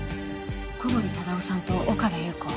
小堀忠夫さんと岡部祐子